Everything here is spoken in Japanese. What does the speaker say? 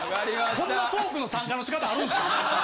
こんなトークの参加の仕方あるんすか？